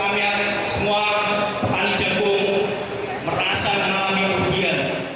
kami semua pani jagung merasa mengalami kerugian